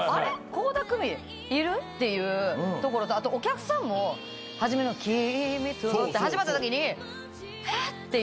倖田來未いる？っていうところとお客さんも初めの「君と」って始まったときに。